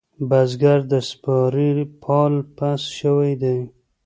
بزگر د سپارې پال پس شوی دی.